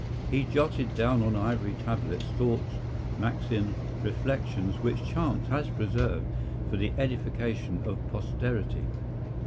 He jotted down on ivory tablets thoughts, maxims, reflections which chance has preserved for the edification of posterity.